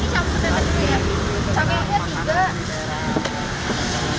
yang ini campurnya begitu ya